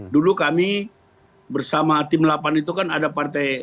dulu kami bersama tim delapan itu kan ada partai